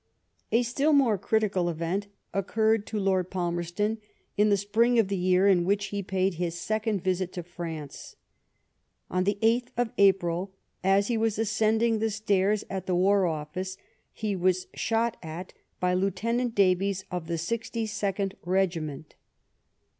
A still more critical event occurred to Lord Palmers ton in the spring of the year in which he paid his second visit to France. On the 8th of April, as he was ascend ing the stairs at the War Office, he was shot at by Lieutenant Davies, of the 62nd Regiment.